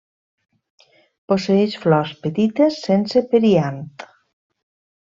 Posseeix flors petites sense periant.